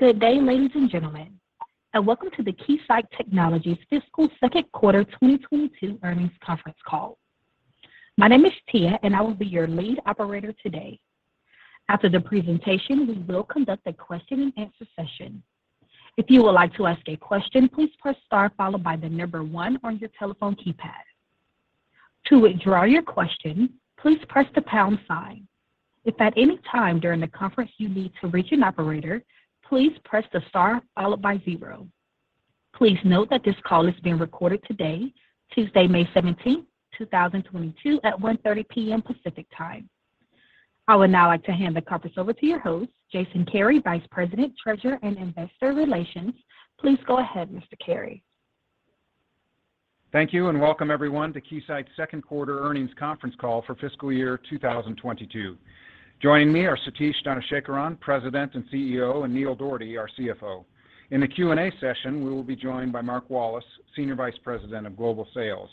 Good day, ladies and gentlemen, and welcome to the Keysight Technologies Fiscal Second Quarter 2022 Earnings Conference Call. My name is Tia, and I will be your lead operator today. After the presentation, we will conduct a question and answer session. If you would like to ask a question, please press star followed by the number one on your telephone keypad. To withdraw your question, please press the pound sign. If at any time during the conference you need to reach an operator, please press the star followed by zero. Please note that this call is being recorded today, Tuesday, May 17th, 2022, at 1:30 P.M. Pacific Time. I would now like to hand the conference over to your host, Jason Kary, Vice President, Treasurer, and Investor Relations. Please go ahead, Mr. Kary. Thank you, and welcome everyone to Keysight's second quarter earnings conference call for fiscal year 2022. Joining me are Satish Dhanasekaran, President and CEO, and Neil Dougherty, our CFO. In the Q&A session, we will be joined by Mark Wallace, Senior Vice President of Global Sales.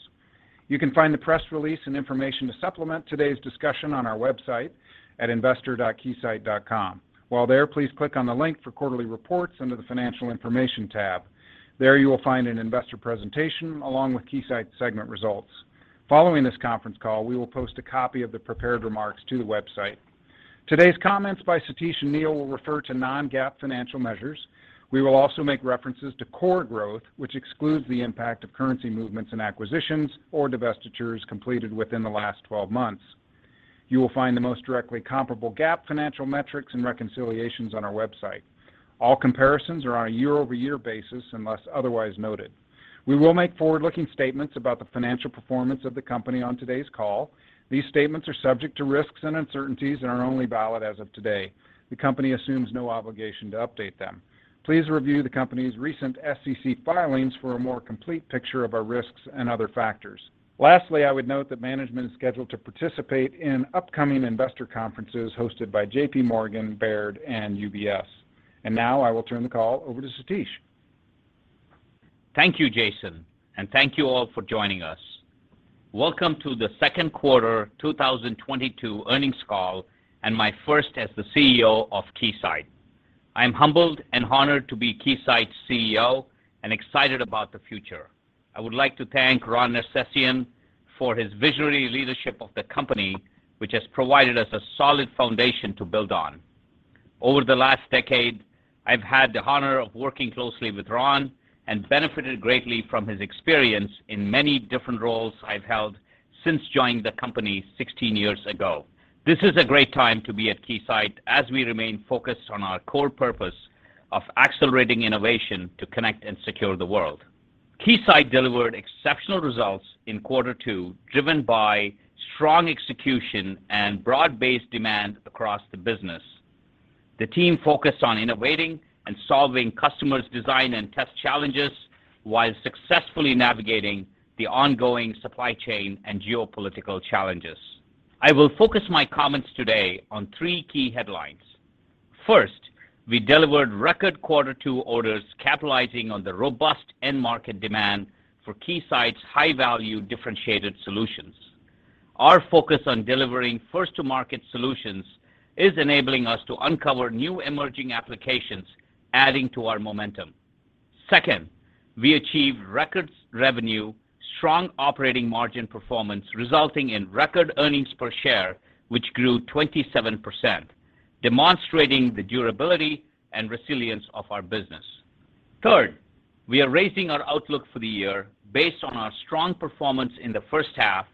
You can find the press release and information to supplement today's discussion on our website at investor.keysight.com. While there, please click on the link for quarterly reports under the Financial Information tab. There you will find an investor presentation along with Keysight segment results. Following this conference call, we will post a copy of the prepared remarks to the website. Today's comments by Satish and Neil will refer to non-GAAP financial measures. We will also make references to core growth, which excludes the impact of currency movements and acquisitions or divestitures completed within the last 12 months. You will find the most directly comparable GAAP financial metrics and reconciliations on our website. All comparisons are on a year-over-year basis unless otherwise noted. We will make forward-looking statements about the financial performance of the company on today's call. These statements are subject to risks and uncertainties and are only valid as of today. The company assumes no obligation to update them. Please review the company's recent SEC filings for a more complete picture of our risks and other factors. Lastly, I would note that management is scheduled to participate in upcoming investor conferences hosted by JPMorgan, Baird, and UBS. Now I will turn the call over to Satish. Thank you, Jason, and thank you all for joining us. Welcome to the second quarter 2022 earnings call and my first as the CEO of Keysight. I am humbled and honored to be Keysight's CEO and excited about the future. I would like to thank Ron Nersesian for his visionary leadership of the company, which has provided us a solid foundation to build on. Over the last decade, I've had the honor of working closely with Ron and benefited greatly from his experience in many different roles I've held since joining the company 16 years ago. This is a great time to be at Keysight as we remain focused on our core purpose of accelerating innovation to connect and secure the world. Keysight delivered exceptional results in quarter two, driven by strong execution and broad-based demand across the business. The team focused on innovating and solving customers' design and test challenges while successfully navigating the ongoing supply chain and geopolitical challenges. I will focus my comments today on three key headlines. First, we delivered record quarter two orders capitalizing on the robust end market demand for Keysight's high-value differentiated solutions. Our focus on delivering first to market solutions is enabling us to uncover new emerging applications, adding to our momentum. Second, we achieved record revenue, strong operating margin performance resulting in record earnings per share, which grew 27%, demonstrating the durability and resilience of our business. Third, we are raising our outlook for the year based on our strong performance in the first half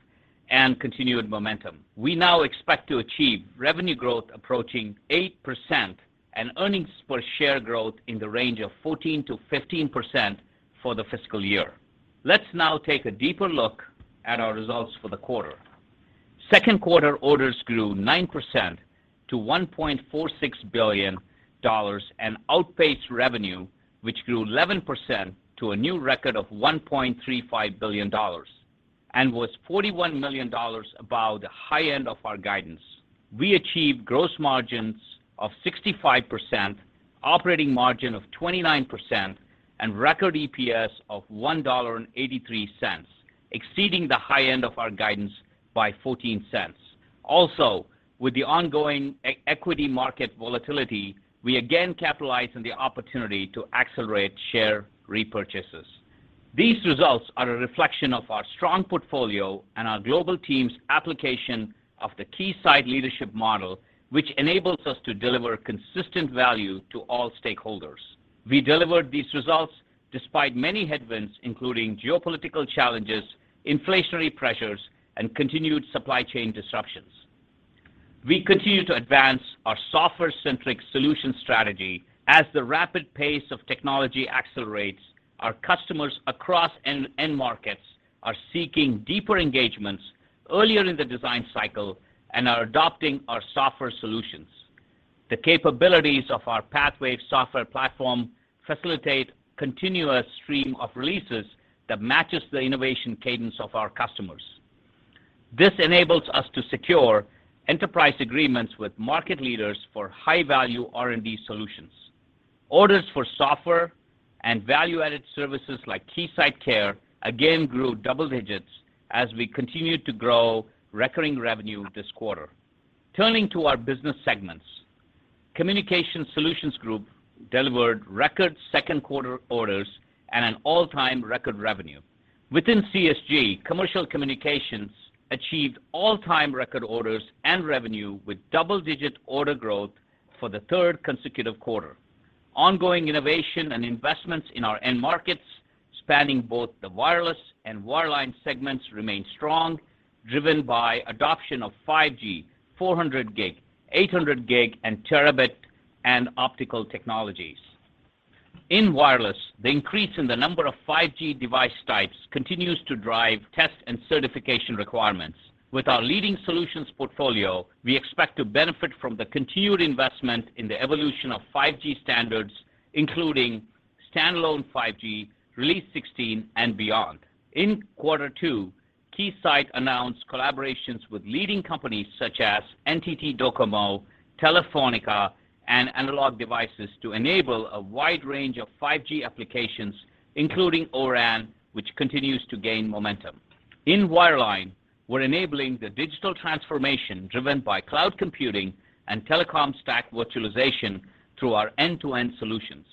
and continued momentum. We now expect to achieve revenue growth approaching 8% and earnings per share growth in the range of 14%-15% for the fiscal year. Let's now take a deeper look at our results for the quarter. Second quarter orders grew 9% to $1.46 billion and outpaced revenue, which grew 11% to a new record of $1.35 billion and was $41 million above the high end of our guidance. We achieved gross margins of 65%, operating margin of 29%, and record EPS of $1.83, exceeding the high end of our guidance by $0.14. With the ongoing equity market volatility, we again capitalized on the opportunity to accelerate share repurchases. These results are a reflection of our strong portfolio and our global team's application of the Keysight Leadership Model, which enables us to deliver consistent value to all stakeholders. We delivered these results despite many headwinds, including geopolitical challenges, inflationary pressures, and continued supply chain disruptions. We continue to advance our software-centric solution strategy. As the rapid pace of technology accelerates, our customers across end-to-end markets are seeking deeper engagements earlier in the design cycle and are adopting our software solutions. The capabilities of our PathWave software platform facilitate continuous stream of releases that matches the innovation cadence of our customers. This enables us to secure enterprise agreements with market leaders for high-value R&D solutions. Orders for software and value-added services like KeysightCare again grew double digits as we continued to grow recurring revenue this quarter. Turning to our business segments. Communication Solutions Group delivered record second quarter orders and an all-time record revenue. Within CSG, commercial communications achieved all-time record orders and revenue with double-digit order growth for the third consecutive quarter. Ongoing innovation and investments in our end markets, spanning both the wireless and wireline segments, remain strong, driven by adoption of 5G, 400 GB, 800 GB, and terabit and optical technologies. In wireless, the increase in the number of 5G device types continues to drive test and certification requirements. With our leading solutions portfolio, we expect to benefit from the continued investment in the evolution of 5G standards, including standalone 5G, release 16 and beyond. In quarter two, Keysight announced collaborations with leading companies such as NTT DOCOMO, Telefónica, and Analog Devices to enable a wide range of 5G applications, including ORAN, which continues to gain momentum. In wireline, we're enabling the digital transformation driven by cloud computing and telecom stack virtualization through our end-to-end solutions.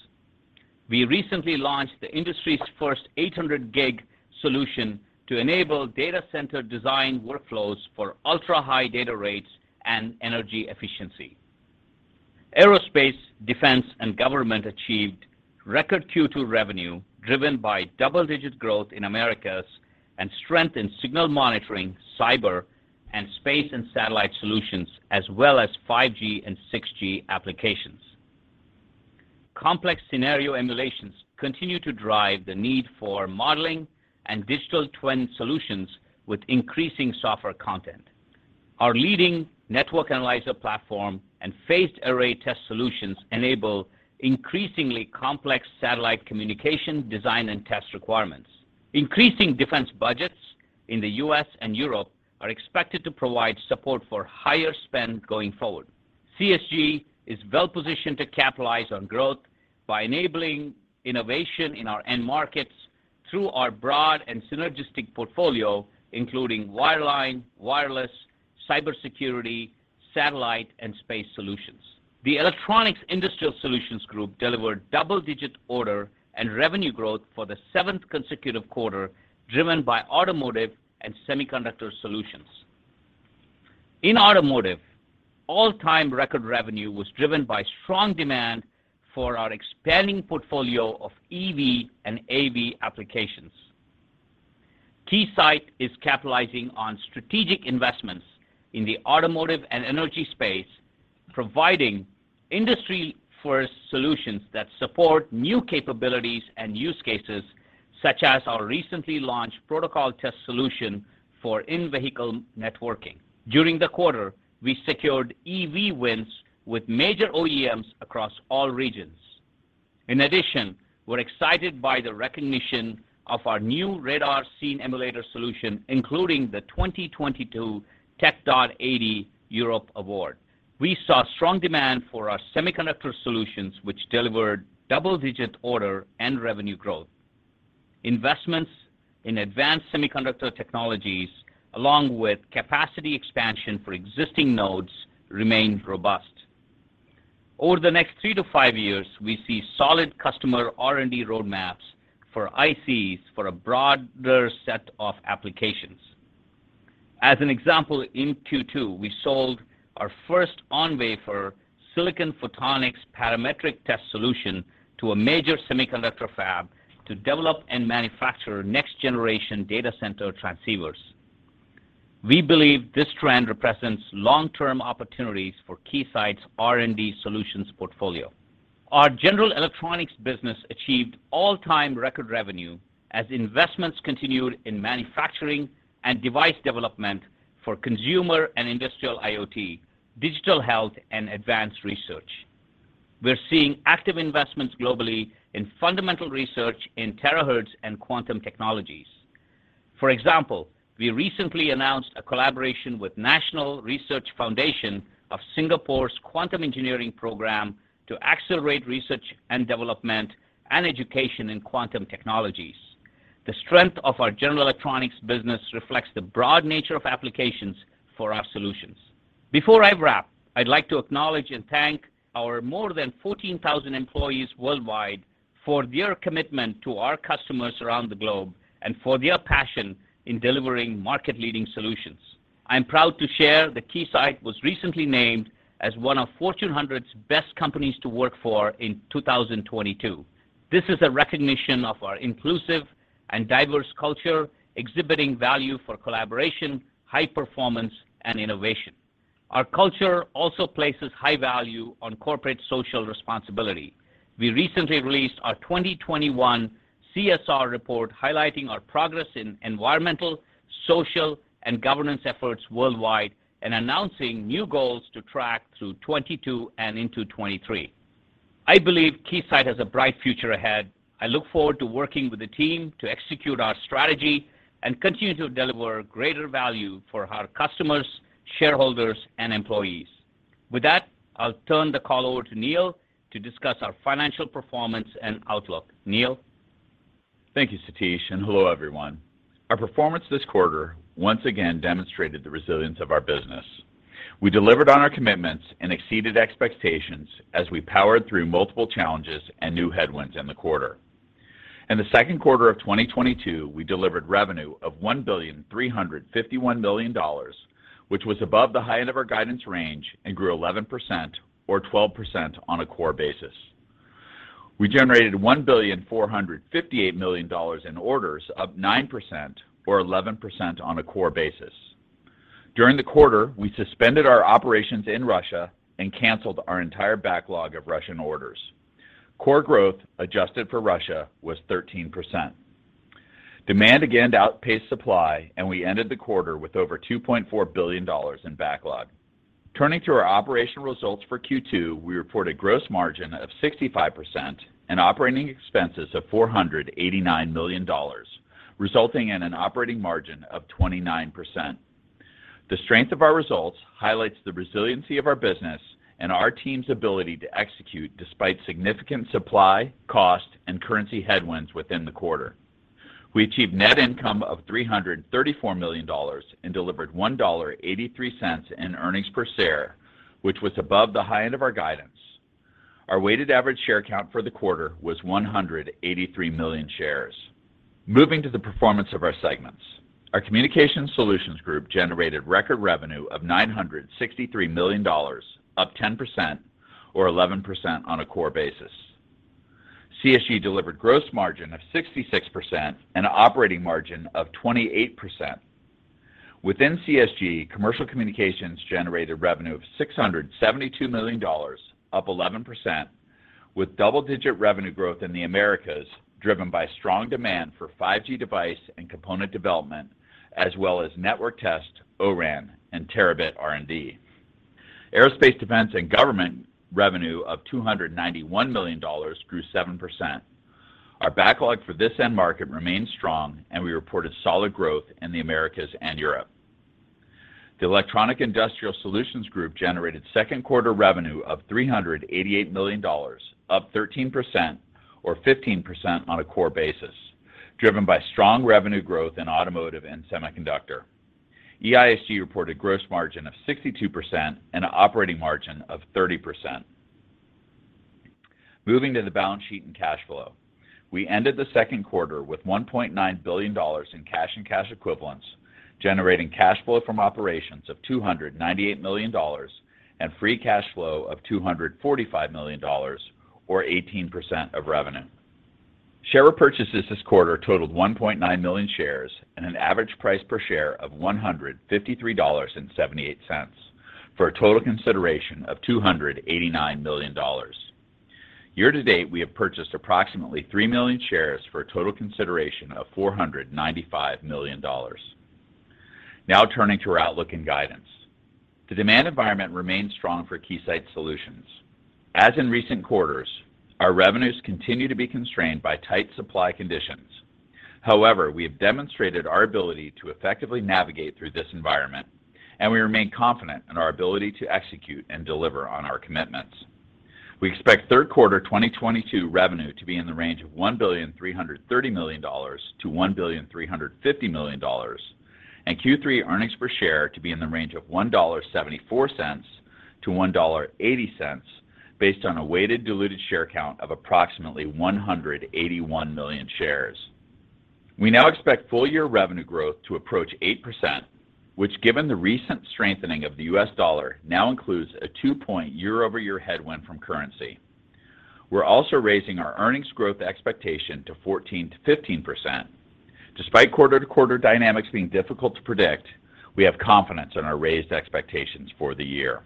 We recently launched the industry's first 800 GB solution to enable data center design workflows for ultra-high data rates and energy efficiency. Aerospace, defense, and government achieved record Q2 revenue, driven by double-digit growth in Americas and strength in signal monitoring, cyber, and space and satellite solutions, as well as 5G and 6G applications. Complex scenario emulations continue to drive the need for modeling and Digital Twin solutions with increasing software content. Our leading network analyzer platform and phased array test solutions enable increasingly complex satellite communication design and test requirements. Increasing defense budgets in the U.S. and Europe are expected to provide support for higher spend going forward. CSG is well-positioned to capitalize on growth by enabling innovation in our end markets through our broad and synergistic portfolio, including wireline, wireless, cybersecurity, satellite, and space solutions. The Electronic Industrial Solutions Group delivered double-digit order and revenue growth for the seventh consecutive quarter, driven by automotive and semiconductor solutions. In automotive, all-time record revenue was driven by strong demand for our expanding portfolio of EV and AV applications. Keysight is capitalizing on strategic investments in the automotive and energy space, providing industry-first solutions that support new capabilities and use cases, such as our recently launched protocol test solution for in-vehicle networking. During the quarter, we secured EV wins with major OEMs across all regions. In addition, we're excited by the recognition of our new Radar Scene Emulator solution, including the 2022 Tech.AD Europe Award. We saw strong demand for our semiconductor solutions, which delivered double-digit order and revenue growth. Investments in advanced semiconductor technologies, along with capacity expansion for existing nodes, remained robust. Over the next 3-5 years, we see solid customer R&D roadmaps for ICs for a broader set of applications. As an example, in Q2, we sold our first on-wafer silicon photonics parametric test solution to a major semiconductor fab to develop and manufacture next-generation data center transceivers. We believe this trend represents long-term opportunities for Keysight's R&D solutions portfolio. Our general electronics business achieved all-time record revenue as investments continued in manufacturing and device development for consumer and industrial IoT, digital health, and advanced research. We're seeing active investments globally in fundamental research in terahertz and quantum technologies. For example, we recently announced a collaboration with National Research Foundation, Singapore's Quantum Engineering Programme to accelerate research and development and education in quantum technologies. The strength of our general electronics business reflects the broad nature of applications for our solutions. Before I wrap, I'd like to acknowledge and thank our more than 14,000 employees worldwide for their commitment to our customers around the globe and for their passion in delivering market-leading solutions. I am proud to share that Keysight was recently named as one of Fortune 100's best companies to work for in 2022. This is a recognition of our inclusive and diverse culture, exhibiting value for collaboration, high performance, and innovation. Our culture also places high value on corporate social responsibility. We recently released our 2021 CSR report highlighting our progress in environmental, social, and governance efforts worldwide and announcing new goals to track through 2022 and into 2023. I believe Keysight has a bright future ahead. I look forward to working with the team to execute our strategy and continue to deliver greater value for our customers, shareholders, and employees. With that, I'll turn the call over to Neil to discuss our financial performance and outlook. Neil. Thank you, Satish, and hello, everyone. Our performance this quarter once again demonstrated the resilience of our business. We delivered on our commitments and exceeded expectations as we powered through multiple challenges and new headwinds in the quarter. In the second quarter of 2022, we delivered revenue of $1.351 billion, which was above the high end of our guidance range and grew 11% or 12% on a core basis. We generated $1.458 billion in orders, up 9% or 11% on a core basis. During the quarter, we suspended our operations in Russia and canceled our entire backlog of Russian orders. Core growth adjusted for Russia was 13%. Demand again outpaced supply, and we ended the quarter with over $2.4 billion in backlog. Turning to our operational results for Q2, we reported gross margin of 65% and operating expenses of $489 million, resulting in an operating margin of 29%. The strength of our results highlights the resiliency of our business and our team's ability to execute despite significant supply, cost, and currency headwinds within the quarter. We achieved net income of $334 million and delivered $1.83 in earnings per share, which was above the high end of our guidance. Our weighted average share count for the quarter was 183 million shares. Moving to the performance of our segments. Our Communication Solutions Group generated record revenue of $963 million, up 10% or 11% on a core basis. CSG delivered gross margin of 66% and operating margin of 28%. Within CSG, commercial communications generated revenue of $672 million, up 11%, with double-digit revenue growth in the Americas, driven by strong demand for 5G device and component development, as well as network test, ORAN, and Terabit R&D. Aerospace, defense, and government revenue of $291 million grew 7%. Our backlog for this end market remains strong, and we reported solid growth in the Americas and Europe. The Electronic Industrial Solutions Group generated second quarter revenue of $388 million, up 13% or 15% on a core basis, driven by strong revenue growth in automotive and semiconductor. EISG reported gross margin of 62% and operating margin of 30%. Moving to the balance sheet and cash flow. We ended the second quarter with $1.9 billion in cash and cash equivalents, generating cash flow from operations of $298 million and free cash flow of $245 million or 18% of revenue. Share repurchases this quarter totaled 1.9 million shares at an average price per share of $153.78 for a total consideration of $289 million. Year to date, we have purchased approximately 3 million shares for a total consideration of $495 million. Now turning to our outlook and guidance. The demand environment remains strong for Keysight Solutions. As in recent quarters, our revenues continue to be constrained by tight supply conditions. However, we have demonstrated our ability to effectively navigate through this environment, and we remain confident in our ability to execute and deliver on our commitments. We expect third quarter 2022 revenue to be in the range of $1.33 billion-$1.35 billion and Q3 earnings per share to be in the range of $1.74-$1.80 based on a weighted diluted share count of approximately 181 million shares. We now expect full year revenue growth to approach 8%, which given the recent strengthening of the U.S. dollar, now includes a two-point year-over-year headwind from currency. We're also raising our earnings growth expectation to 14%-15%. Despite quarter-to-quarter dynamics being difficult to predict, we have confidence in our raised expectations for the year.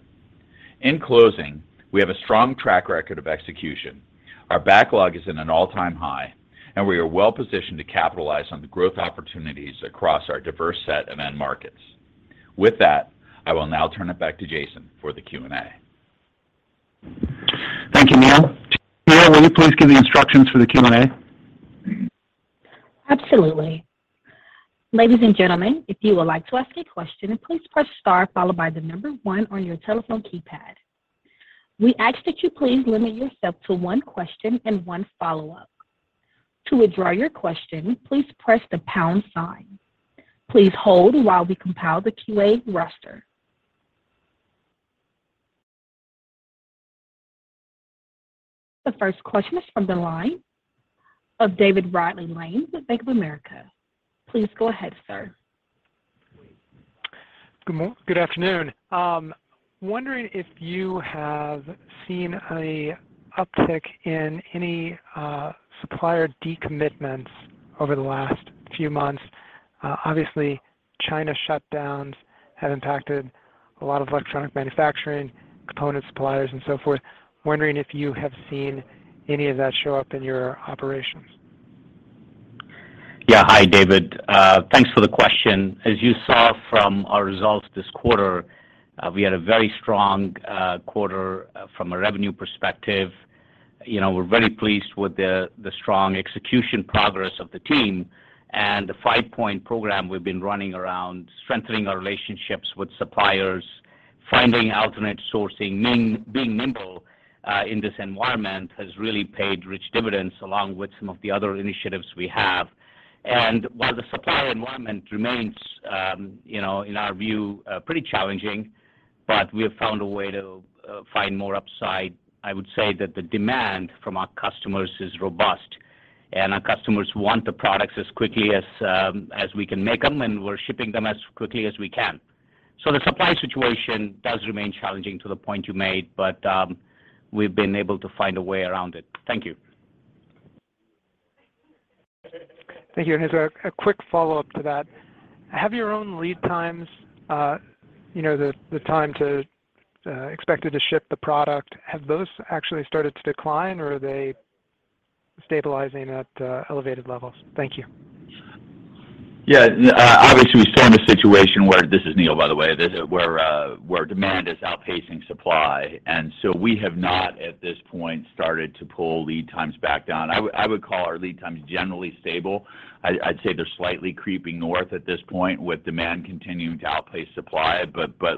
In closing, we have a strong track record of execution. Our backlog is in an all-time high, and we are well-positioned to capitalize on the growth opportunities across our diverse set of end markets. With that, I will now turn it back to Jason for the Q&A. Thank you, Neil. Tia, will you please give the instructions for the Q&A? Absolutely. Ladies and gentlemen, if you would like to ask a question, please press star followed by the number one on your telephone keypad. We ask that you please limit yourself to one question and one follow-up. To withdraw your question, please press the pound sign. Please hold while we compile the QA roster. The first question is from the line of David Ridley-Lane with Bank of America. Please go ahead, sir. Good afternoon. Wondering if you have seen a uptick in any supplier decommitments over the last few months. Obviously, China shutdowns have impacted a lot of electronic manufacturing, component suppliers, and so forth. Wondering if you have seen any of that show up in your operations. Yeah. Hi, David. Thanks for the question. As you saw from our results this quarter, we had a very strong quarter from a revenue perspective. You know, we're very pleased with the strong execution progress of the team and the five-point program we've been running around strengthening our relationships with suppliers, finding alternate sourcing, being nimble in this environment has really paid rich dividends along with some of the other initiatives we have. While the supply environment remains, in our view, pretty challenging, but we have found a way to find more upside. I would say that the demand from our customers is robust, and our customers want the products as quickly as we can make them, and we're shipping them as quickly as we can. The supply situation does remain challenging to the point you made, but we've been able to find a way around it. Thank you. Thank you. Just a quick follow-up to that. Have your own lead times, you know, the time expected to ship the product, have those actually started to decline, or are they stabilizing at elevated levels? Thank you. Yeah. Obviously, we stay in a situation where this is Neil, by the way, this is where demand is outpacing supply. We have not, at this point, started to pull lead times back down. I would call our lead times generally stable. I'd say they're slightly creeping north at this point with demand continuing to outpace supply. But by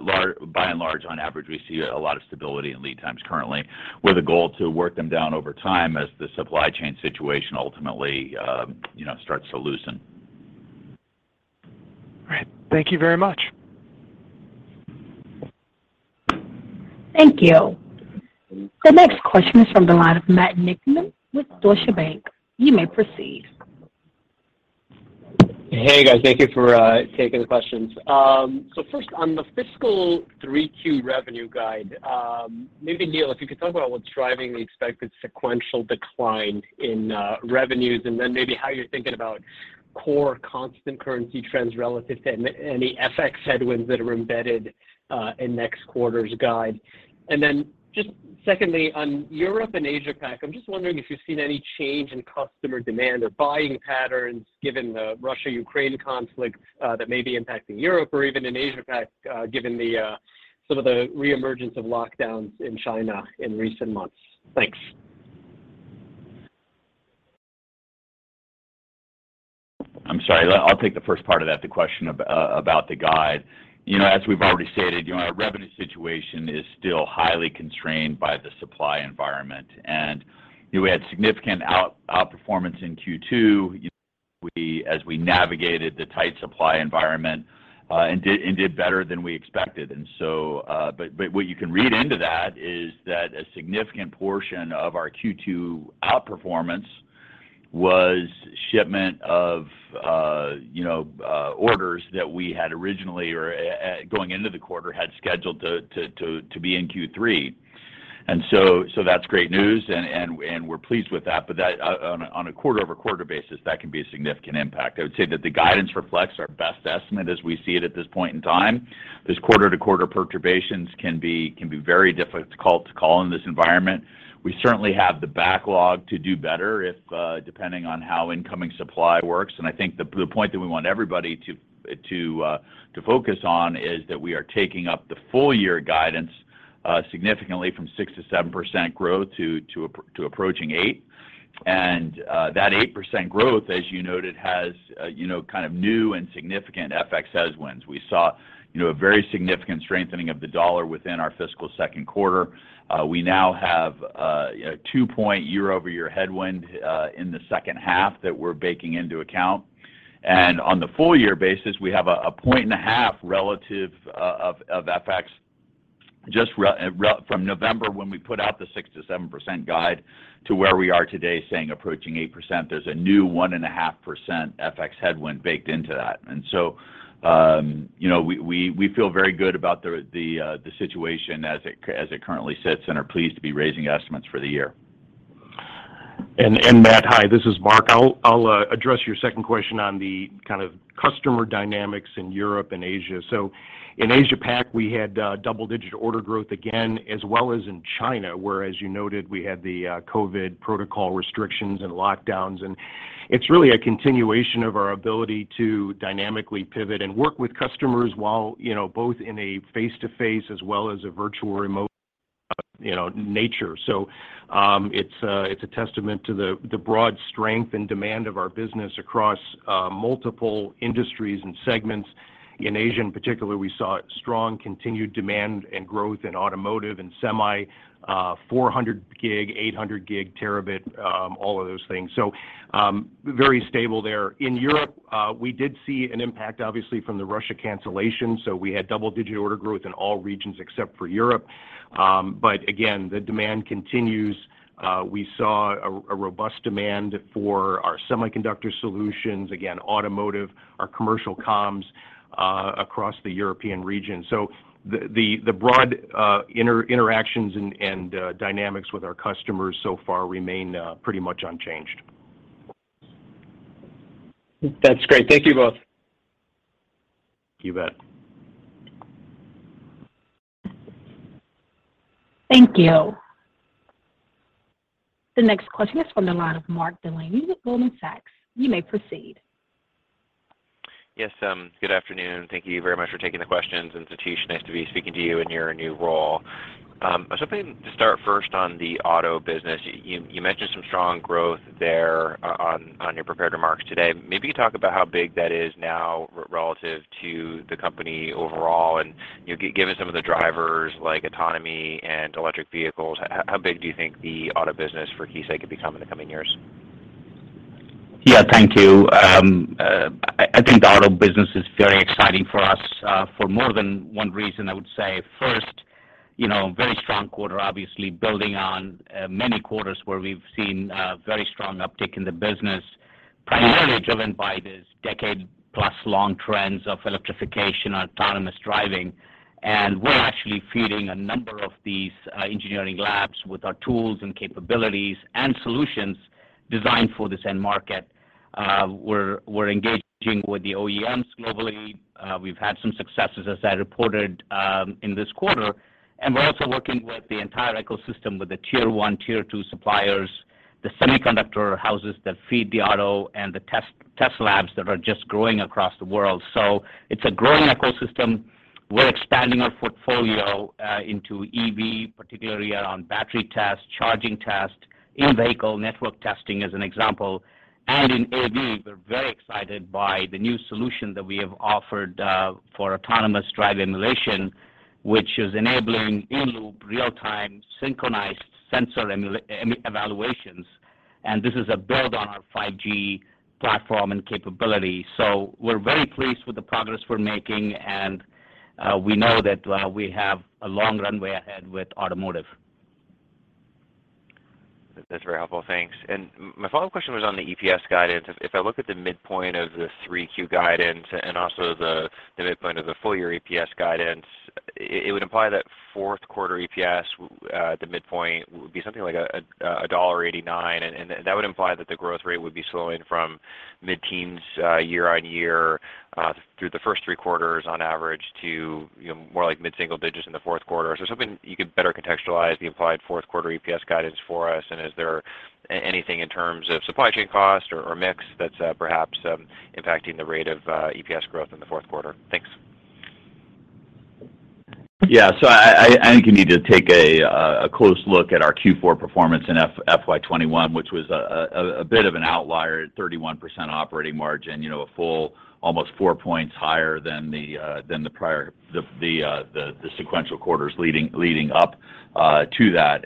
and large, on average, we see a lot of stability in lead times currently, with a goal to work them down over time as the supply chain situation ultimately, you know, starts to loosen. All right. Thank you very much. Thank you. The next question is from the line of Matthew Niknam with Deutsche Bank. You may proceed. Hey, guys. Thank you for taking the questions. So first on the fiscal 3Q revenue guide, maybe, Neil, if you could talk about what's driving the expected sequential decline in revenues, and then maybe how you're thinking about core constant currency trends relative to any FX headwinds that are embedded in next quarter's guide? Just secondly, on Europe and Asia Pac, I'm just wondering if you've seen any change in customer demand or buying patterns given the Russia-Ukraine conflict that may be impacting Europe or even in Asia Pac, given some of the reemergence of lockdowns in China in recent months? Thanks. I'm sorry. I'll take the first part of that, the question about the guide. You know, as we've already stated, you know, our revenue situation is still highly constrained by the supply environment. We had significant outperformance in Q2 as we navigated the tight supply environment, and did better than we expected. What you can read into that is that a significant portion of our Q2 outperformance was shipment of you know orders that we had originally or going into the quarter had scheduled to be in Q3. That's great news and we're pleased with that. That, on a quarter-over-quarter basis, can be a significant impact. I would say that the guidance reflects our best estimate as we see it at this point in time. These quarter-to-quarter perturbations can be very difficult to call in this environment. We certainly have the backlog to do better if, depending on how incoming supply works. I think the point that we want everybody to focus on is that we are taking up the full year guidance significantly from 6%-7% growth to approaching 8%. That 8% growth, as you noted, has, you know, kind of new and significant FX headwinds. We saw, you know, a very significant strengthening of the dollar within our fiscal second quarter. We now have a two-point year-over-year headwind in the second half that we're baking into account. On the full year basis, we have a 1.5 point relative of FX just from November when we put out the 6%-7% guide to where we are today saying approaching 8%, there's a new 1.5% FX headwind baked into that. So, you know, we feel very good about the situation as it currently sits and are pleased to be raising estimates for the year. Matt, hi, this is Mark. I'll address your second question on the kind of customer dynamics in Europe and Asia. In Asia Pac, we had double-digit order growth again, as well as in China, where, as you noted, we had the COVID protocol restrictions and lockdowns. It's really a continuation of our ability to dynamically pivot and work with customers while, you know, both in a face-to-face as well as a virtual remote, you know, nature. It's a testament to the broad strength and demand of our business across multiple industries and segments. In Asia, in particular, we saw strong continued demand and growth in automotive and semi, 400 GB, 800 GB, terabit, all of those things. Very stable there. In Europe, we did see an impact, obviously, from the Russia cancellation. We had double-digit order growth in all regions except for Europe. Again, the demand continues. We saw a robust demand for our semiconductor solutions, again, automotive, our commercial comms, across the European region. The broad interactions and dynamics with our customers so far remain pretty much unchanged. That's great. Thank you both. You bet. Thank you. The next question is from the line of Mark Delaney with Goldman Sachs. You may proceed. Yes, good afternoon. Thank you very much for taking the questions. Satish, nice to be speaking to you in your new role. I was hoping to start first on the auto business. You mentioned some strong growth there on your prepared remarks today. Maybe you can talk about how big that is now relative to the company overall and, you know, give us some of the drivers, like autonomy and electric vehicles. How big do you think the auto business for Keysight could become in the coming years? Yeah, thank you. I think the auto business is very exciting for us for more than one reason, I would say. First, you know, very strong quarter, obviously, building on many quarters where we've seen a very strong uptick in the business, primarily driven by these decade-plus long trends of electrification, autonomous driving. We're actually feeding a number of these engineering labs with our tools and capabilities and solutions designed for this end market. We're engaging with the OEMs globally. We've had some successes, as I reported, in this quarter, and we're also working with the entire ecosystem with the tier one, tier two suppliers, the semiconductor houses that feed the auto and the test labs that are just growing across the world. It's a growing ecosystem. We're expanding our portfolio into EV, particularly around battery test, charging test, in-vehicle network testing, as an example. In AV, we're very excited by the new solution that we have offered for autonomous drive emulation, which is enabling in-loop, real-time, synchronized sensor evaluations. This is a build on our 5G platform and capability. We're very pleased with the progress we're making, and we know that we have a long runway ahead with automotive. That's very helpful, thanks. My follow-up question was on the EPS guidance. If I look at the midpoint of the 3Q guidance and also the midpoint of the full-year EPS guidance, it would imply that fourth quarter EPS, the midpoint would be something like a $1.89, and that would imply that the growth rate would be slowing from mid-teens, year-on-year, through the first three quarters on average to, you know, more like mid-single digits in the fourth quarter. Something you could better contextualize the implied fourth quarter EPS guidance for us, and is there anything in terms of supply chain cost or mix that's, perhaps, impacting the rate of EPS growth in the fourth quarter? Thanks. I think you need to take a close look at our Q4 performance in FY 2021, which was a bit of an outlier at 31% operating margin, you know, a full almost four points higher than the prior sequential quarters leading up to that.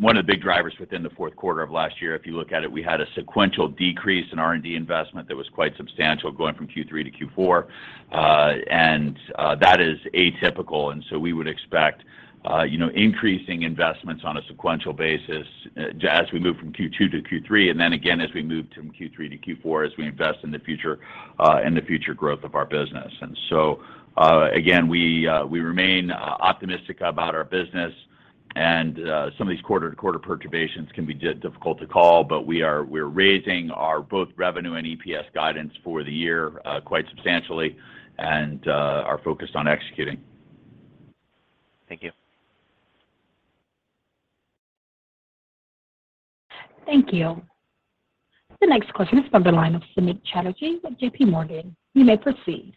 One of the big drivers within the fourth quarter of last year, if you look at it, we had a sequential decrease in R&D investment that was quite substantial going from Q3 to Q4, and that is atypical. We would expect, you know, increasing investments on a sequential basis, as we move from Q2 to Q3, and then again as we move from Q3 to Q4, as we invest in the future, in the future growth of our business. We remain optimistic about our business and some of these quarter-to-quarter perturbations can be difficult to call, but we're raising both our revenue and EPS guidance for the year, quite substantially and are focused on executing. Thank you. Thank you. The next question is from the line of Samik Chatterjee with JPMorgan. You may proceed.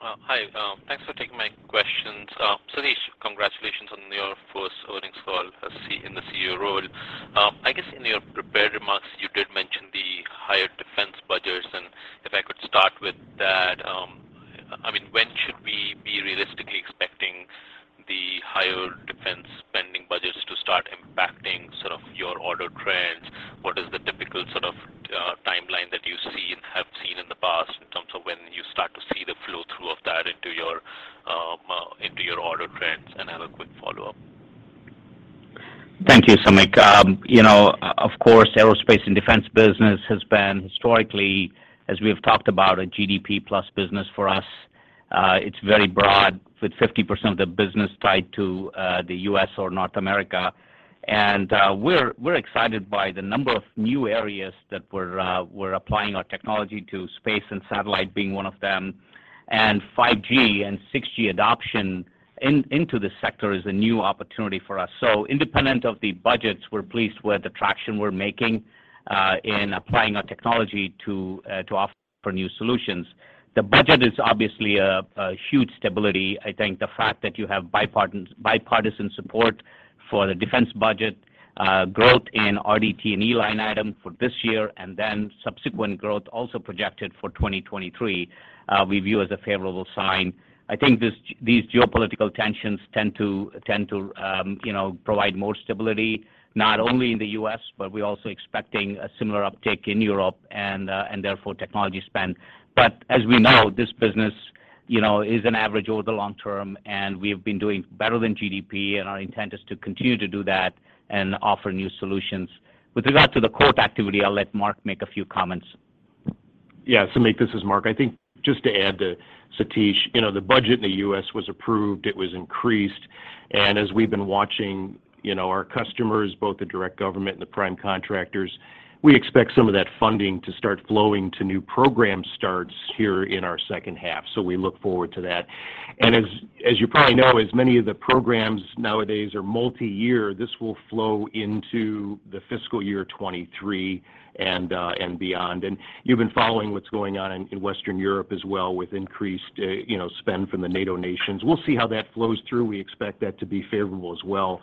Hi. Thanks for taking my questions. Satish, congratulations on your first earnings call as CEO. I guess in your prepared remarks, you did mention the higher defense budgets. If I could start with that. I mean, when should we be realistically expecting the higher defense spending budgets to start impacting sort of your order trends? What is the typical sort of timeline that you see and have seen in the past in terms of when you start to see the flow-through of that into your order trends? I have a quick follow-up. Thank you, Samik. You know, of course, aerospace and defense business has been historically, as we have talked about, a GDP-plus business for us. It's very broad, with 50% of the business tied to the U.S. or North America. We're excited by the number of new areas that we're applying our technology to, space and satellite being one of them, and 5G and 6G adoption into this sector is a new opportunity for us. Independent of the budgets, we're pleased with the traction we're making in applying our technology to offer new solutions. The budget is obviously a huge stabilizer. I think the fact that you have bipartisan support for the defense budget, growth in RDT&E line item for this year and then subsequent growth also projected for 2023, we view as a favorable sign. I think these geopolitical tensions tend to, you know, provide more stability, not only in the U.S., but we're also expecting a similar uptick in Europe and therefore technology spend. As we know, this business, you know, is an average over the long term, and we've been doing better than GDP, and our intent is to continue to do that and offer new solutions. With regard to the quota activity, I'll let Mark make a few comments. Yeah. Samik, this is Mark. I think just to add to Satish, you know, the budget in the U.S. was approved, it was increased. As we've been watching, you know, our customers, both the direct government and the prime contractors, we expect some of that funding to start flowing to new program starts here in our second half. We look forward to that. As you probably know, as many of the programs nowadays are multi-year, this will flow into the fiscal year 2023 and beyond. You've been following what's going on in Western Europe as well with increased, you know, spend from the NATO nations. We'll see how that flows through. We expect that to be favorable as well.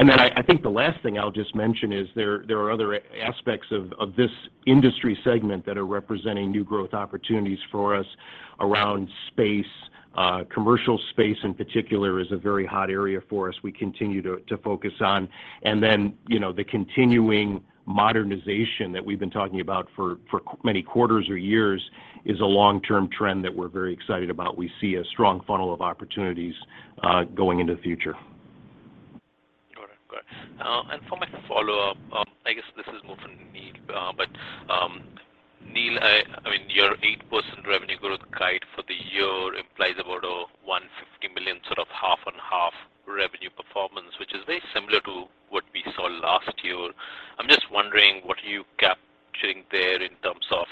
I think the last thing I'll just mention is there are other aspects of this industry segment that are representing new growth opportunities for us around space. Commercial space in particular is a very hot area for us, we continue to focus on. You know, the continuing modernization that we've been talking about for many quarters or years is a long-term trend that we're very excited about. We see a strong funnel of opportunities going into the future. All right. Go ahead. For my follow-up, I guess this is more for Neil. But, Neil, I mean, your 8% revenue growth guide for the year implies about a $150 million sort of half-on-half revenue performance, which is very similar to what we saw last year. I'm just wondering what are you capturing there in terms of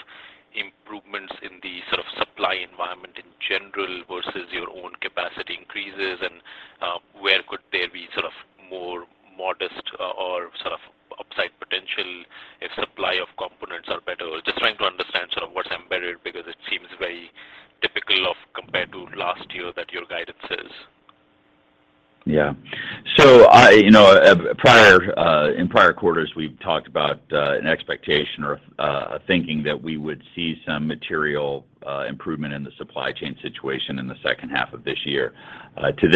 improvements in the sort of supply environment in general versus your own capacity increases, and where could there be sort of more modest or sort of upside potential if supply of components are better? Just trying to understand sort of what's embedded, because it seems very typical compared to last year that your guidance is. Yeah. I, you know, prior, in prior quarters, we've talked about an expectation or a thinking that we would see some material improvement in the supply chain situation in the second half of this year. To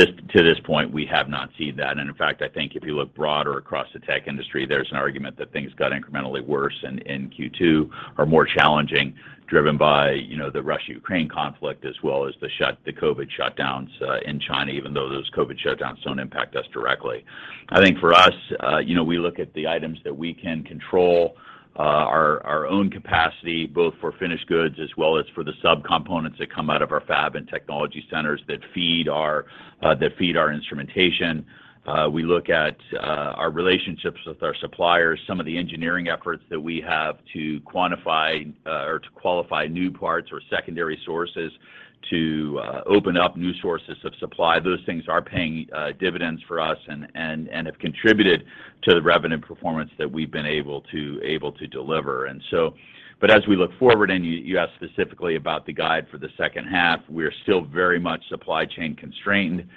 this point, we have not seen that. In fact, I think if you look broader across the tech industry, there's an argument that things got incrementally worse in Q2 or more challenging, driven by, you know, the Russia-Ukraine conflict as well as the COVID shutdowns in China, even though those COVID shutdowns don't impact us directly. I think for us, you know, we look at the items that we can control, our own capacity, both for finished goods as well as for the subcomponents that come out of our fab and technology centers that feed our instrumentation. We look at our relationships with our suppliers, some of the engineering efforts that we have to qualify new parts or secondary sources to open up new sources of supply. Those things are paying dividends for us and have contributed to the revenue performance that we've been able to deliver. As we look forward, you asked specifically about the guide for the second half, we're still very much supply chain constrained.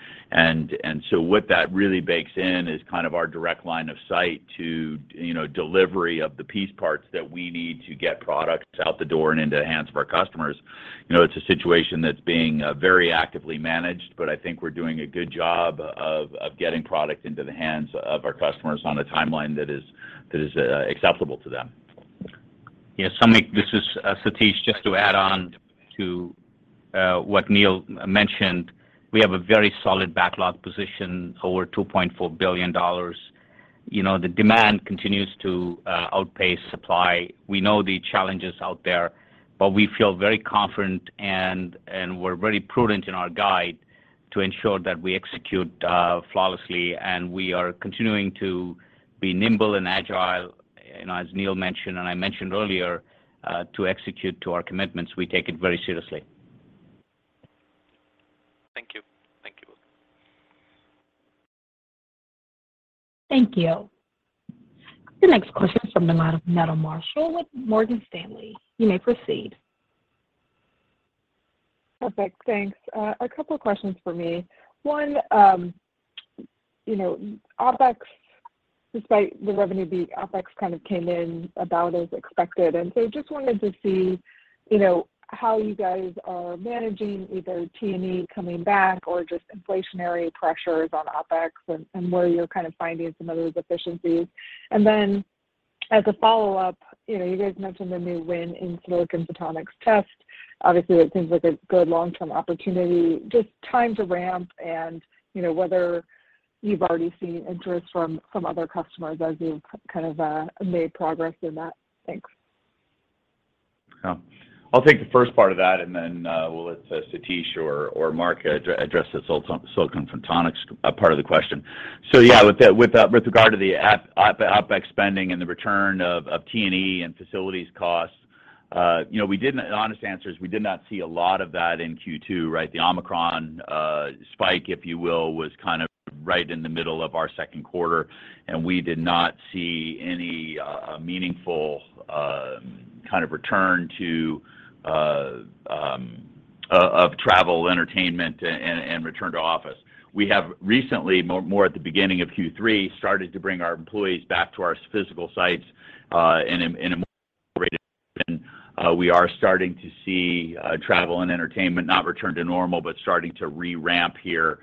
What that really bakes in is kind of our direct line of sight to delivery of the piece parts that we need to get products out the door and into the hands of our customers. You know, it's a situation that's being very actively managed, but I think we're doing a good job of getting product into the hands of our customers on a timeline that is acceptable to them. Yeah. Samik, this is Satish. Just to add on to what Neil mentioned, we have a very solid backlog position, over $2.4 billion. You know, the demand continues to outpace supply. We know the challenges out there, but we feel very confident and we're very prudent in our guide to ensure that we execute flawlessly, and we are continuing to be nimble and agile, you know, as Neil mentioned and I mentioned earlier to execute to our commitments. We take it very seriously. Thank you. Thank you both. Thank you. The next question is from the line of Meta Marshall with Morgan Stanley. You may proceed. Perfect. Thanks. A couple questions for me. One, you know, OpEx, despite the revenue beat, OpEx kind of came in about as expected. I just wanted to see, you know, how you guys are managing either T&E coming back or just inflationary pressures on OpEx and where you're kind of finding some of those efficiencies. As a follow-up, you know, you guys mentioned the new win in Silicon Photonics test. Obviously that seems like a good long-term opportunity. Just time to ramp and, you know, whether you've already seen interest from other customers as you've kind of made progress in that. Thanks. Yeah. I'll take the first part of that, and then we'll let Satish or Mark address the Silicon Photonics part of the question. Yeah, with regard to the OpEx spending and the return of T&E and facilities costs, you know, we didn't. An honest answer is we did not see a lot of that in Q2, right? The Omicron spike, if you will, was kind of right in the middle of our second quarter, and we did not see any meaningful kind of return to travel, entertainment and return to office. We have recently, more at the beginning of Q3, started to bring our employees back to our physical sites and we are starting to see travel and entertainment not return to normal, but start to re-ramp here,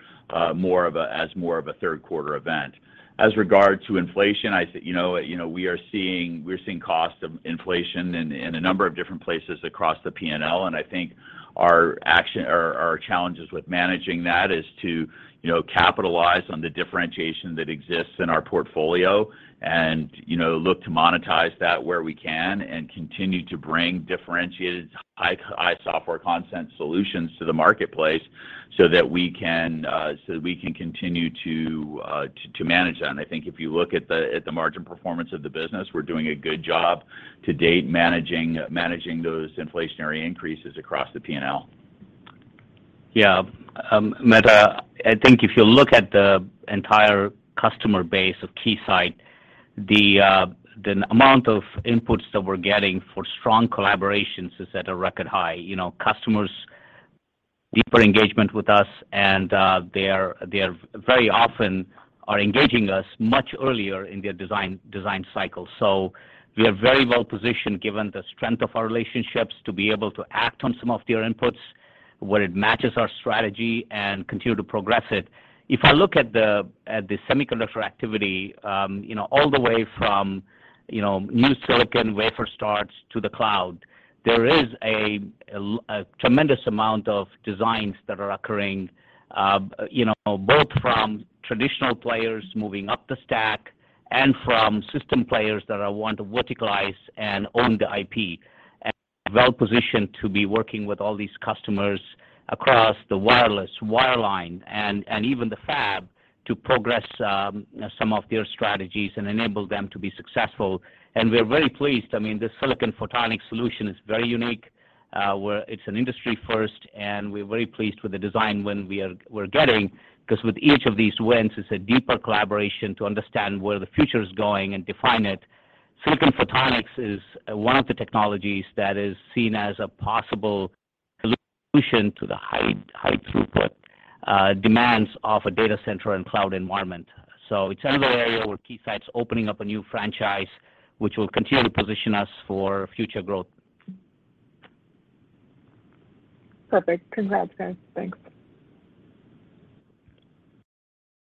more of as a, more of a third-quarter event. As regard to inflation, I think you know, we are seeing cost of inflation in a number of different places across the P&L, and I think our action, our challenges with managing that is to, you know, capitalize on the differentiation that exists in our portfolio and, you know, look to monetize that where we can and continue to bring differentiated, high software content solutions to the marketplace so that we can- so that we can continue to manage. And I think if you look at the, at the market performance of the business, we're doing a good job to date managing- managing those inflationary increases across the P&L. Yeah. Meta, I think if you look at the entire customer base of Keysight, the amount of inputs that we're getting for strong collaborations is at a record high. You know, customers' deeper engagement with us, and they're very often engaging us much earlier in their design cycle. We are very well-positioned, given the strength of our relationships, to be able to act on some of their inputs where it matches our strategy and continue to progress it. If I look at the semiconductor activity, you know, all the way from new silicon wafer starts to the cloud, there is a tremendous amount of designs that are occurring, you know, both from traditional players moving up the stack and from system players that want to verticalize and own the IP. Well-positioned to be working with all these customers across the wireless, wireline, and even the fab to progress some of their strategies and enable them to be successful. We're very pleased. I mean, this Silicon Photonics solution is very unique, where it's an industry first, and we're very pleased with the design win we're getting, 'cause with each of these wins, it's a deeper collaboration to understand where the future is going and define it. Silicon Photonics is one of the technologies that is seen as a possible solution to the high throughput demands of a data center and cloud environment. It's another area where Keysight's opening up a new franchise, which will continue to position us for future growth. Perfect. Congrats, guys. Thanks.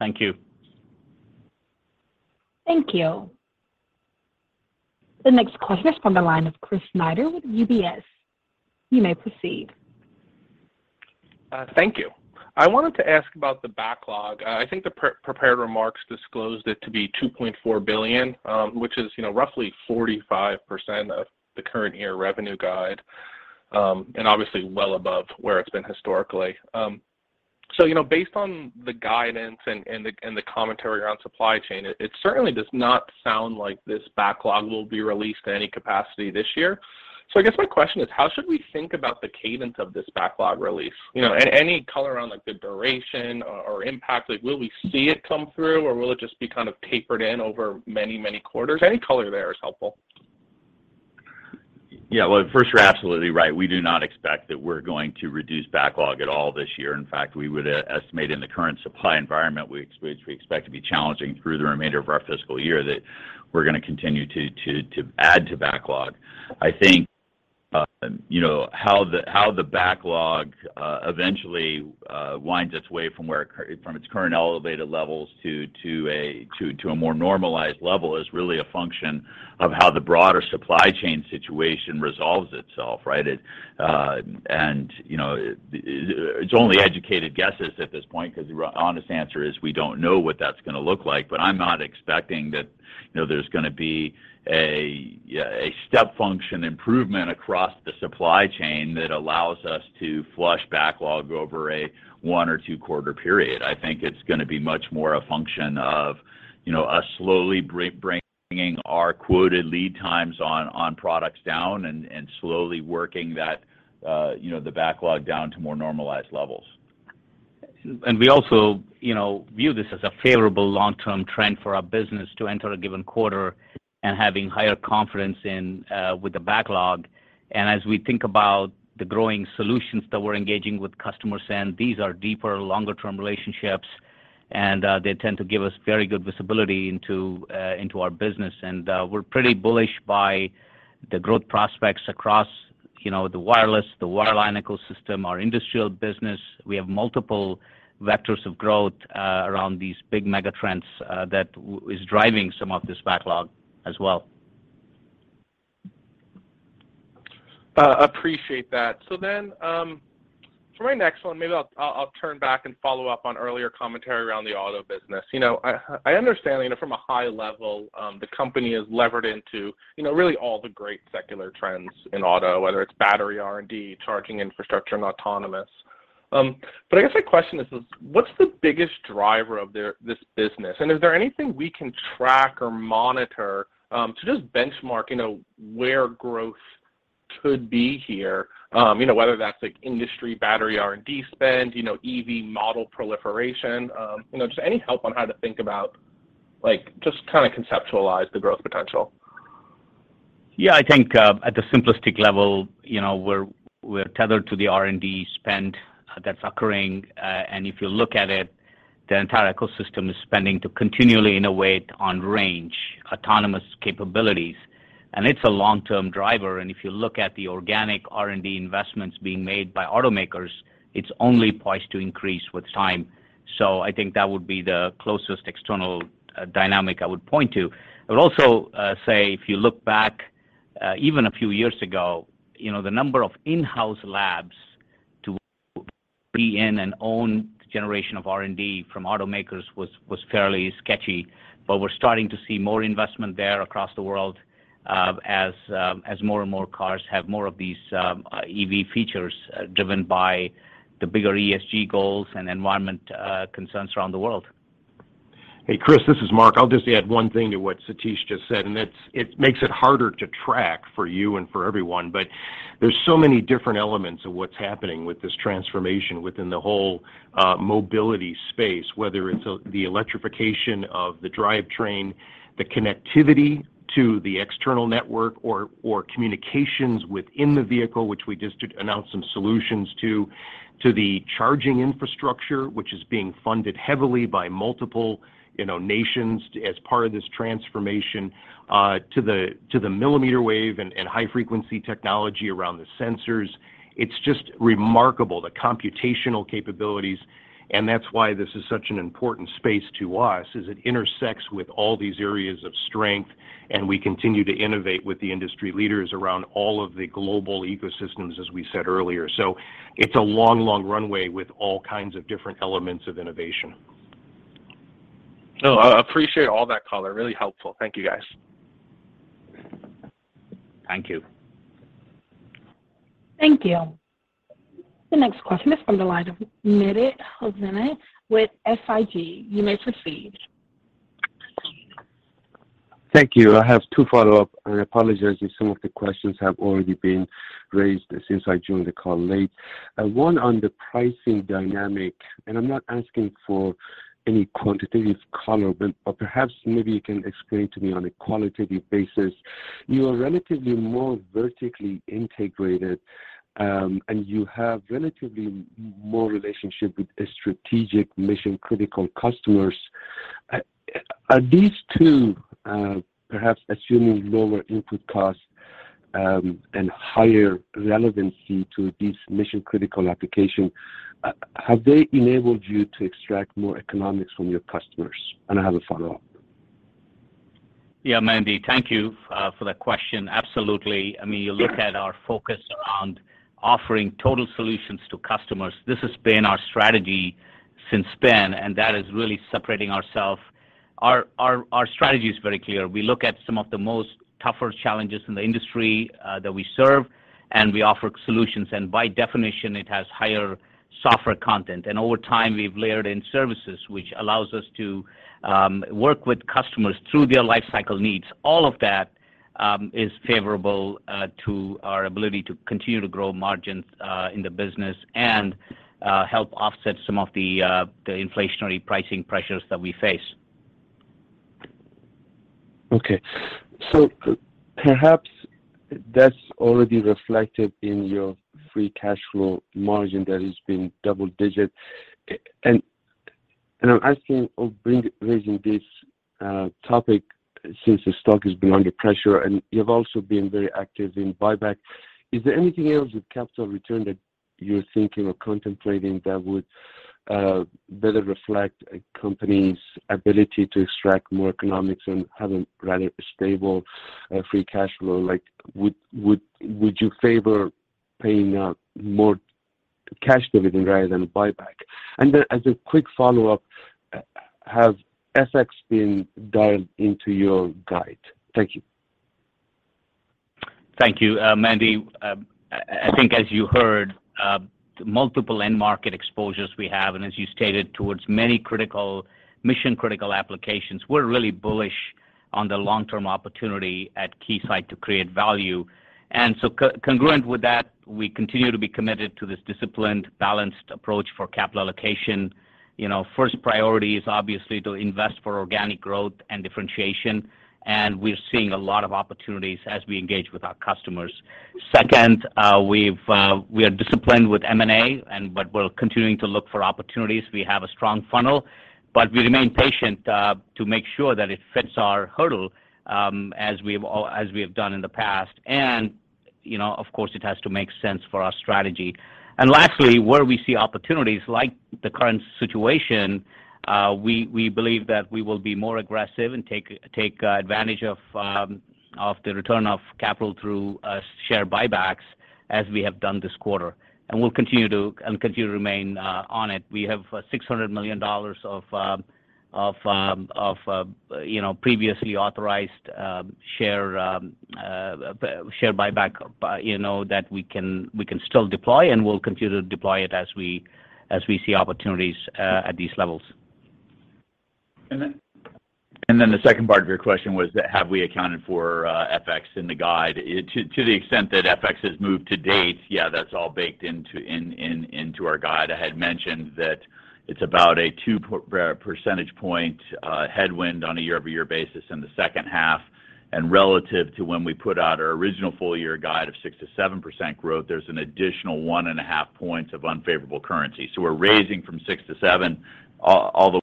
Thank you. Thank you. The next question is from the line of Chris Snyder with UBS. You may proceed. Thank you. I wanted to ask about the backlog. I think the prepared remarks disclosed it to be $2.4 billion, which is, you know, roughly 45% of the current year revenue guide, and obviously well above where it's been historically. You know, based on the guidance and the commentary around supply chain, it certainly does not sound like this backlog will be released at any capacity this year. I guess my question is, how should we think about the cadence of this backlog release? You know, any color on, like, the duration or impact? Like, will we see it come through, or will it just be kind of tapered in over many, many quarters? Any color there is helpful. Yeah. Well, first, you're absolutely right. We do not expect that we're going to reduce backlog at all this year. In fact, we would estimate in the current supply environment which we expect to be challenging through the remainder of our fiscal year, that we're gonna continue to add to backlog. I think, you know, how the backlog eventually winds its way from where it from its current elevated levels to a more normalized level is really a function of how the broader supply chain situation resolves itself, right? It's only educated guesses at this point because the honest answer is we don't know what that's gonna look like. I'm not expecting that, you know, there's gonna be a step function improvement across the supply chain that allows us to flush backlog over a one or two-quarter period. I think it's gonna be much more a function of, you know, us slowly bringing our quoted lead times on products down and slowly working that, you know, the backlog down to more normalized levels. We also, you know, view this as a favorable long-term trend for our business to enter a given quarter and having higher confidence in, with the backlog. As we think about the growing solutions that we're engaging with customers in, these are deeper, longer-term relationships, and they tend to give us very good visibility into our business. We're pretty bullish on the growth prospects across, you know, the wireless, the wireline ecosystem, our industrial business. We have multiple vectors of growth around these big megatrends that is driving some of this backlog as well. Appreciate that. For my next one, maybe I'll turn back and follow up on earlier commentary around the auto business. You know, I understand that from a high level, the company has levered into, you know, really all the great secular trends in auto, whether it's battery R&D, charging infrastructure, and autonomous. I guess my question is, what's the biggest driver of this business? Is there anything we can track or monitor, to just benchmark, you know, where growth could be here? You know, whether that's like industry battery R&D spend, you know, EV model proliferation. You know, just any help on how to think about, like, just kinda conceptualize the growth potential. Yeah. I think at the simplistic level, you know, we're tethered to the R&D spend that's occurring. If you look at it, the entire ecosystem is spending to continually innovate on range, autonomous capabilities. It's a long-term driver. If you look at the organic R&D investments being made by automakers, it's only poised to increase with time. I think that would be the closest external dynamic I would point to. I would also say if you look back even a few years ago, you know, the number of in-house labs to build and own the generation of R&D from automakers was fairly sketchy, but we're starting to see more investment there across the world, as more and more cars have more of these EV features, driven by the bigger ESG goals and environmental concerns around the world. Hey, Chris, this is Mark. I'll just add one thing to what Satish just said, and it's, it makes it harder to track for you and for everyone. There's so many different elements of what's happening with this transformation within the whole mobility space, whether it's the electrification of the drivetrain, the connectivity to the external network or communications within the vehicle, which we just announced some solutions to the charging infrastructure, which is being funded heavily by multiple, you know, nations as part of this transformation, to the millimeter wave and high-frequency technology around the sensors. It's just remarkable, the computational capabilities, and that's why this is such an important space to us, is it intersects with all these areas of strength, and we continue to innovate with the industry leaders around all of the global ecosystems, as we said earlier. It's a long, long runway with all kinds of different elements of innovation. No, I appreciate all that color. Really helpful. Thank you, guys. Thank you. Thank you. The next question is from the line of Mehdi Hosseini with SIG. You may proceed. Thank you. I have two follow-up, and I apologize if some of the questions have already been raised since I joined the call late. One on the pricing dynamic, and I'm not asking for any quantitative color, but perhaps maybe you can explain to me on a qualitative basis. You are relatively more vertically integrated, and you have relatively more relationship with strategic mission-critical customers. Are these two, perhaps assuming lower input costs, and higher relevancy to these mission-critical application, have they enabled you to extract more economics from your customers? I have a follow-up. Yeah, Mehdi, thank you for that question. Absolutely. I mean, you look at our focus on offering total solutions to customers, this has been our strategy since then, and that is really separating ourselves. Our strategy is very clear. We look at some of the toughest challenges in the industry that we serve, and we offer solutions. By definition, it has higher software content. Over time, we've layered in services, which allows us to work with customers through their lifecycle needs. All of that is favorable to our ability to continue to grow margins in the business and help offset some of the inflationary pricing pressures that we face. Perhaps that's already reflected in your free cash flow margin that has been double-digit. I'm asking or raising this topic since the stock has been under pressure, and you've also been very active in buyback. Is there anything else with capital return that you're thinking or contemplating that would better reflect a company's ability to extract more economics and have a rather stable free cash flow? Like, would you favor paying out more cash dividend rather than buyback? As a quick follow-up, has FX been dialed into your guide? Thank you. Thank you, Mehdi. I think as you heard, multiple end market exposures we have, and as you stated, towards many critical, mission-critical applications, we're really bullish on the long-term opportunity at Keysight to create value. Congruent with that, we continue to be committed to this disciplined, balanced approach for capital allocation. You know, first priority is obviously to invest for organic growth and differentiation, and we're seeing a lot of opportunities as we engage with our customers. Second, we are disciplined with M&A but we're continuing to look for opportunities. We have a strong funnel, but we remain patient to make sure that it fits our hurdle, as we have done in the past. You know, of course, it has to make sense for our strategy. Lastly, where we see opportunities like the current situation, we believe that we will be more aggressive and take advantage of the return of capital through share buybacks as we have done this quarter. We'll continue to remain on it. We have $600 million of you know previously authorized share buyback you know that we can still deploy, and we'll continue to deploy it as we see opportunities at these levels. And then- The second part of your question was that have we accounted for FX in the guide. To the extent that FX has moved to date, yeah, that's all baked into our guide. I had mentioned that it's about a two percentage point headwind on a year-over-year basis in the second half. Relative to when we put out our original full year guide of 6%-7% growth, there's an additional 1.5 points of unfavorable currency. We're raising from 6%-7% all the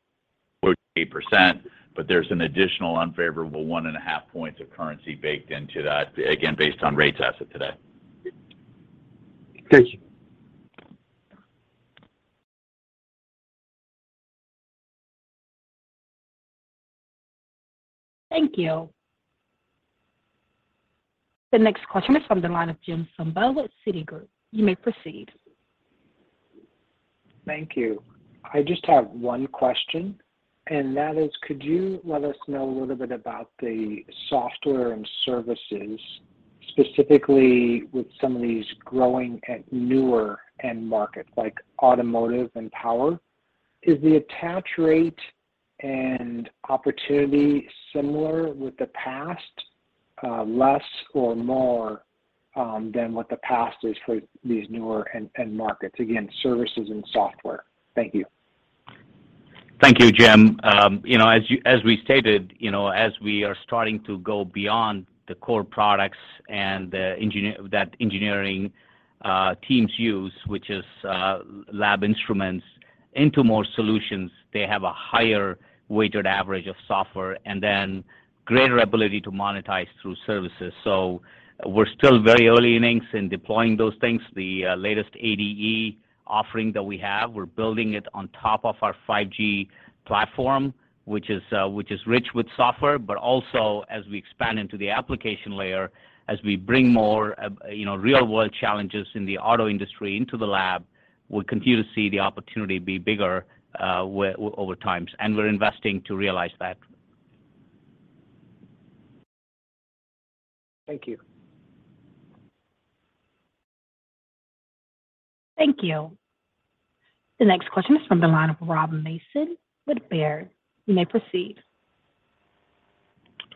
way to 8%, but there's an additional unfavorable 1.5 points of currency baked into that, again, based on rates as of today. Thank you. Thank you. The next question is from the line of Jim Suva with Citigroup. You may proceed. Thank you. I just have one question, and that is, could you let us know a little bit about the software and services. Specifically with some of these growing and newer end markets like automotive and power, is the attach rate and opportunity similar with the past, less or more, than what the past is for these newer end markets? Again, services and software. Thank you. Thank you, Jim. You know, as we stated, you know, as we are starting to go beyond the core products and that engineering teams use, which is lab instruments into more solutions, they have a higher weighted average of software and then greater ability to monetize through services. We're still very early in the innings in deploying those things. The latest ADAS offering that we have, we're building it on top of our 5G platform, which is rich with software, but also as we expand into the application layer, as we bring more, you know, real-world challenges in the auto industry into the lab, we'll continue to see the opportunity be bigger over time, and we're investing to realize that. Thank you. Thank you. The next question is from the line of Rob Mason with Baird. You may proceed.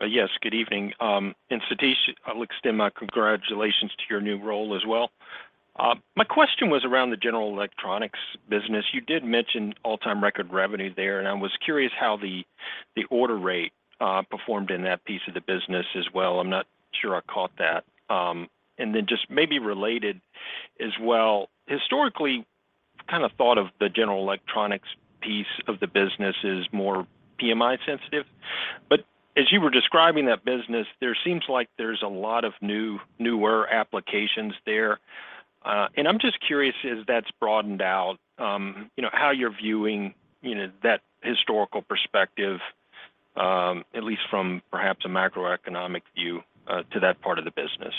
Yes, good evening. Satish, I'll extend my congratulations to your new role as well. My question was around the general electronics business. You did mention all-time record revenue there, and I was curious how the order rate performed in that piece of the business as well. I'm not sure I caught that. Then just maybe related as well, historically, kind of thought of the general electronics piece of the business is more PMI sensitive. As you were describing that business, there seems like there's a lot of newer applications there. I'm just curious as that's broadened out, you know, how you're viewing, you know, that historical perspective, at least from perhaps a macroeconomic view, to that part of the business.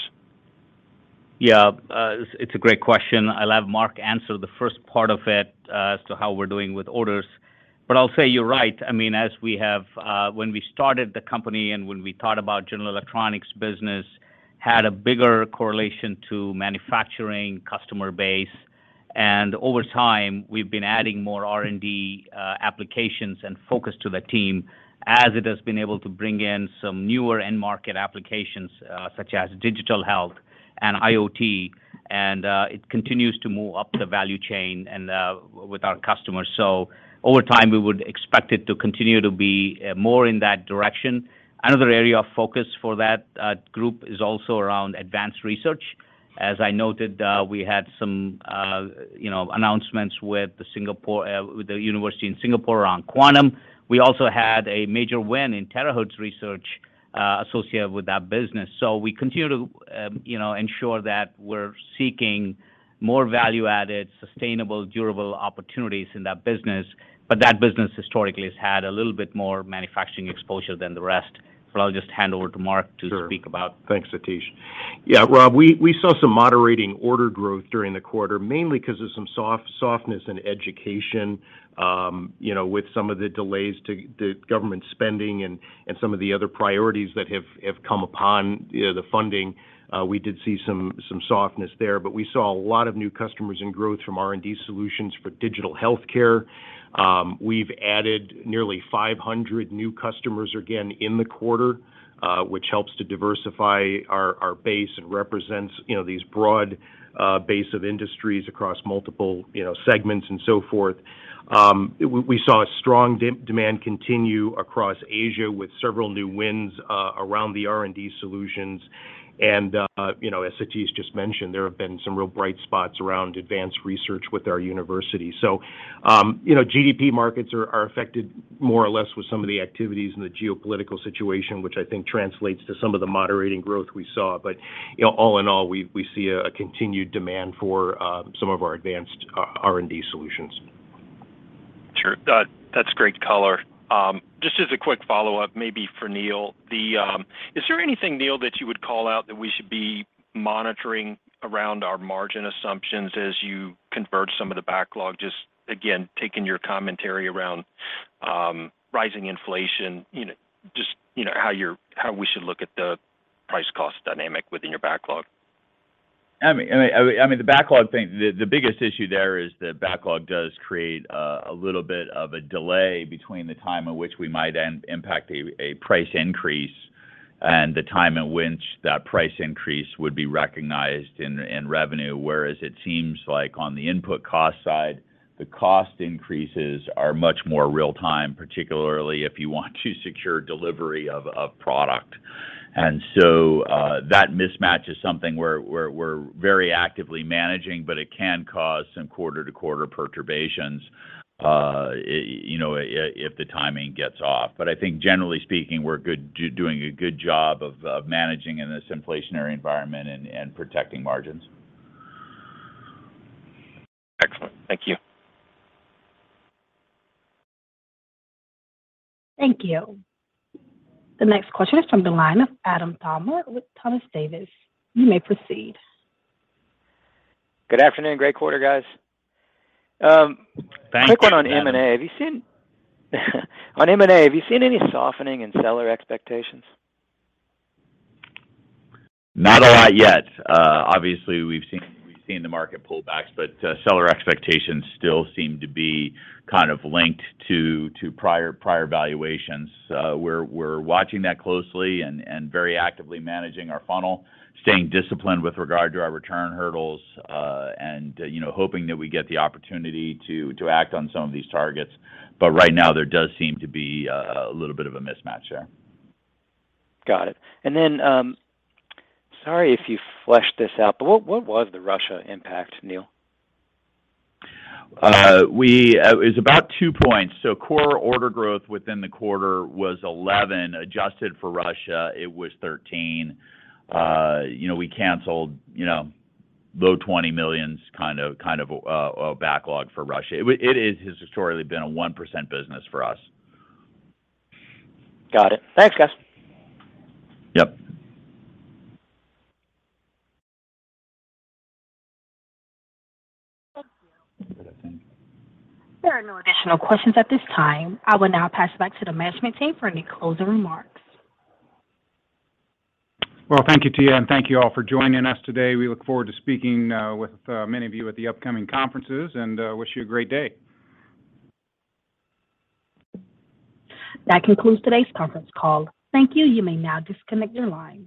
Yeah, it's a great question. I'll have Mark answer the first part of it, as to how we're doing with orders. I'll say you're right. I mean, as we have when we started the company and when we thought about general electronics business, had a bigger correlation to manufacturing customer base. Over time, we've been adding more R&D applications and focus to the team as it has been able to bring in some newer end market applications, such as digital health and IoT, and it continues to move up the value chain and with our customers. Over time, we would expect it to continue to be more in that direction. Another area of focus for that group is also around advanced research. As I noted, we had some, you know, announcements with the Singapore, with the university in Singapore around quantum. We also had a major win in terahertz research, associated with that business. We continue to, you know, ensure that we're seeking more value-added, sustainable, durable opportunities in that business, but that business historically has had a little bit more manufacturing exposure than the rest. I'll just hand over to Mark to- Sure speak about. Thanks, Satish. Yeah, Rob, we saw some moderating order growth during the quarter, mainly because of some softness in education, you know, with some of the delays to the government spending and some of the other priorities that have come upon, you know, the funding. We did see some softness there, but we saw a lot of new customers and growth from R&D solutions for digital healthcare. We've added nearly 500 new customers, again, in the quarter, which helps to diversify our base and represents, you know, these broad base of industries across multiple, you know, segments and so forth. We saw a strong demand continue across Asia with several new wins, around the R&D solutions. You know, as Satish just mentioned, there have been some real bright spots around advanced research with our university. You know, GDP markets are affected more or less with some of the activities in the geopolitical situation, which I think translates to some of the moderating growth we saw. You know, all in all, we see a continued demand for some of our advanced R&D solutions. Sure. That's great color. Just as a quick follow-up, maybe for Neil. Is there anything, Neil, that you would call out that we should be monitoring around our margin assumptions as you convert some of the backlog? Just again, taking your commentary around rising inflation, you know, just, you know, how we should look at the price cost dynamic within your backlog. I mean, the backlog thing, the biggest issue there is that backlog does create a little bit of a delay between the time at which we might impact a price increase and the time at which that price increase would be recognized in revenue. Whereas it seems like on the input cost side, the cost increases are much more real time, particularly if you want to secure delivery of product. That mismatch is something we're very actively managing, but it can cause some quarter-to-quarter perturbations, you know, if the timing gets off. I think generally speaking, we're doing a good job of managing in this inflationary environment and protecting margins. Excellent. Thank you. Thank you. The next question is from the line of Adam Thalhimer with Thompson Davis. You may proceed. Good afternoon. Great quarter, guys. Thank you. Quick one on M&A. Have you seen on M&A any softening in seller expectations? Not a lot yet. Obviously, we've seen the market pullbacks, but seller expectations still seem to be kind of linked to prior valuations. We're watching that closely and very actively managing our funnel, staying disciplined with regard to our return hurdles, and you know, hoping that we get the opportunity to act on some of these targets. Right now, there does seem to be a little bit of a mismatch there. Got it. Sorry if you fleshed this out, but what was the Russia impact, Neil? It was about two points. Core order growth within the quarter was 11%. Adjusted for Russia, it was 13%. You know, we canceled, you know, low $20 million kind of backlog for Russia. It has historically been a 1% business for us. Got it. Thanks guys. Yep. There are no additional questions at this time. I will now pass it back to the management team for any closing remarks. Well, thank you, Tia, and thank you all for joining us today. We look forward to speaking with many of you at the upcoming conferences, and wish you a great day. That concludes today's conference call. Thank you. You may now disconnect your line.